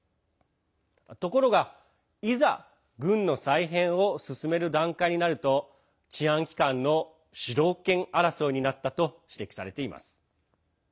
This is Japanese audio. ところが、いざ軍の再編を進める段階になると治安機関の主導権争いになったと指摘されています。